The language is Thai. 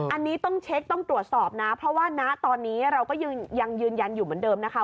อันนี้ต้องเช็คต้องตรวจสอบนะเพราะว่าณตอนนี้เราก็ยังยืนยันอยู่เหมือนเดิมนะคะ